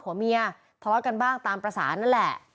หัวเมียทะเลาะกันบ้างตามประสานนั่นแหละ